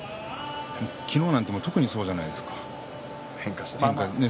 昨日なんか特にそうじゃないです変化して。